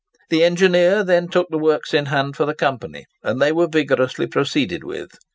The engineer then took the works in hand for the Company, and they were vigorously proceeded with.